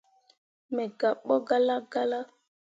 Me gabɓo galla galla.